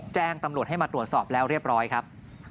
แจ้งตำรวจให้มาตรวจสอบแล้วเรียบร้อยครับ